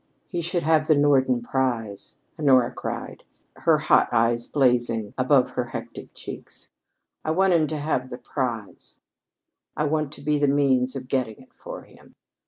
"He should have the Norden prize," Honora cried, her hot eyes blazing above her hectic cheeks. "I want him to have the prize, and I want to be the means of getting it for him.